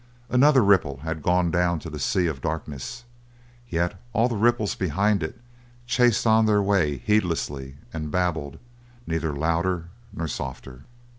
Another ripple had gone down to the sea of darkness, yet all the ripples behind it chased on their way heedlessly and babbled neither louder nor softer.